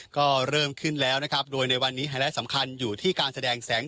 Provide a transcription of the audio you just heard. ก็เริ่มขึ้นแล้วนะครับโดยในวันนี้ไฮไลท์สำคัญอยู่ที่การแสดงแสง